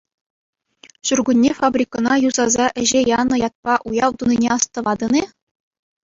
Ҫуркунне фабрикӑна юсаса ӗҫе янӑ ятпа уяв тунине астӑватӑн-и?